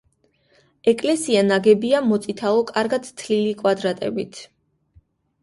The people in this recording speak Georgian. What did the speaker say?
ეკლესია ნაგებია მოწითალო, კარგად თლილი კვადრებით.